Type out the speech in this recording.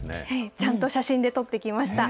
ちゃんと写真で撮ってきました。